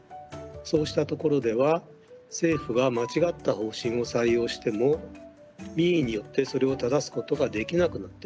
そうしたところでは政府が間違った方針を採用しても民意によってそれを正すことができなくなってしまいます。